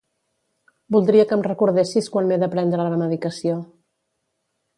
Voldria que em recordessis quan m'he de prendre la medicació.